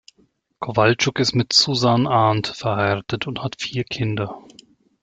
Kowalczuk ist mit Susan Arndt verheiratet und hat vier Kinder.